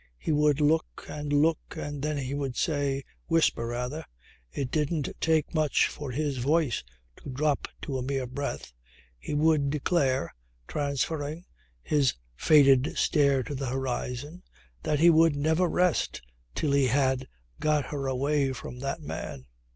He would look and look and then he would say, whisper rather, it didn't take much for his voice to drop to a mere breath he would declare, transferring his faded stare to the horizon, that he would never rest till he had "got her away from that man."